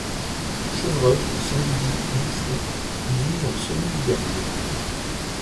Chevreuils, sangliers, mouflons y vivent en semi-liberté.